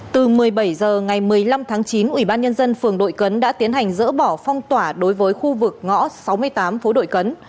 từ một mươi bảy h ngày một mươi năm tháng chín ủy ban nhân dân phường đội cấn đã tiến hành dỡ bỏ phong tỏa đối với khu vực ngõ sáu mươi tám phố đội cấn